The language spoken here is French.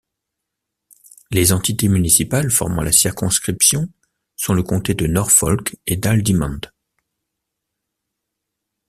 Les entités municipales formant la circonscription sont le comté de Norfolk et d'Haldimand.